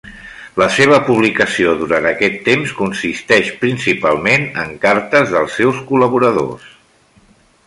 La seva publicació durant aquest temps consisteix principalment en cartes dels seus col·laboradors.